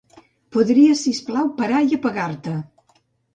Podries, si us plau, parar i apagar-te.